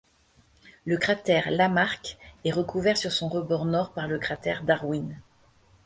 Le cratère Lamarck est recouvert sur son rebord nord par le cratère Darwin.